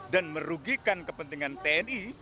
dan merugikan kepentingan tni